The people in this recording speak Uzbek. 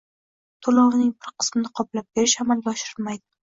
To‘lovining bir qismini qoplab berish amalga oshirilmaydi.